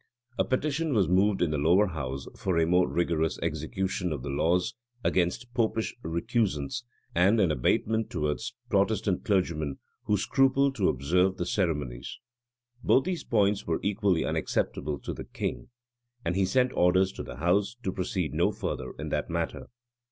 {1607.} A petition was moved in the lower house for a more rigorous execution of the laws against Popish recusants and an abatement towards Protestant clergymen who scrupled to observe the ceremonies. Both these points were equally unacceptable to the king; and he sent orders to the house to proceed no further in that matter.